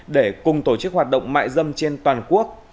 để cùng tổ chức hoạt động mại dâm trên toàn quốc